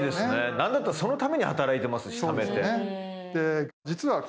何だったらそのために働いてますしためて。